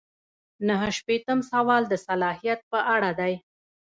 نهه شپیتم سوال د صلاحیت په اړه دی.